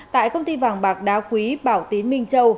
tại công ty vàng bạc đá quý bảo tín minh châu